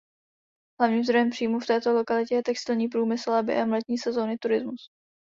Hlavním zdrojem příjmů v této lokalitě je textilní průmysl a během letní sezóny turismus.